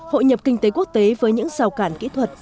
hội nhập kinh tế quốc tế với những rào cản kỹ thuật